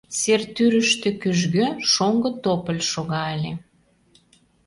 Сер тӱрыштӧ кӱжгӧ, шоҥго тополь шога ыле.